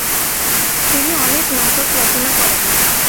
তিনি অনেক নাটক রচনা করেন।